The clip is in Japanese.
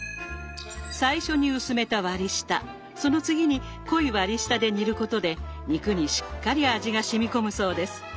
最初に薄めた割り下その次に濃い割り下で煮ることで肉にしっかり味がしみこむそうです。